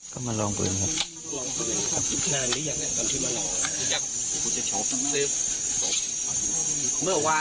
ก็มาลองปืนครับลองปืนครับนานหรือยังตอนที่มาหล่ออาทิตย์เช้า